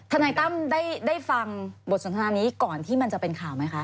นายตั้มได้ฟังบทสนทนานี้ก่อนที่มันจะเป็นข่าวไหมคะ